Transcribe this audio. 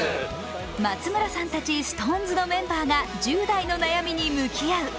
松村さんたちＳｉｘＴＯＮＥＳのメンバーが１０代の悩みに向き合う。